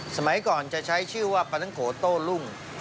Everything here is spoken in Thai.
สมัยก่อนจะใช้ชื่อว่าปลานังโกโต้รุ่ง